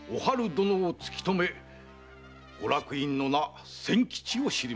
殿を突き止めご落胤の名「千吉」を知りました。